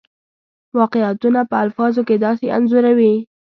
واقعیتونه په الفاظو کې داسې انځوروي.